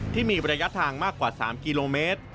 ที่มีระยะทางมากกว่า๓กิโลเมตร